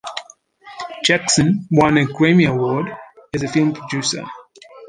Jackson won a Grammy Award as a film producer.